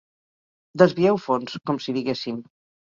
Desvieu fons, com si diguéssim.